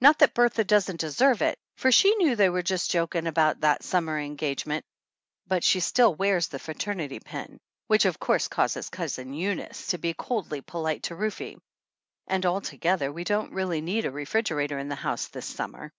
Not that Bertha doesn't deserve it, for she knew they were just joking about that summer engage 14 THE ANNALS OF ANN ment, but she still wears the fraternity pin, which of course causes Cousin Eunice to be "coldly polite" to Ruf e ; and altogether we don't really need a refrigerator in the house this summer.